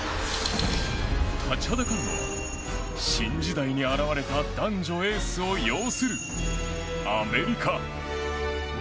立ちはだかるのは新時代に現れた男女エースを擁するアメリカ。